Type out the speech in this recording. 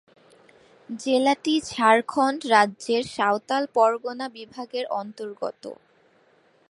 জেলাটি ঝাড়খন্ড রাজ্যের সাঁওতাল পরগনা বিভাগের অন্তর্গত।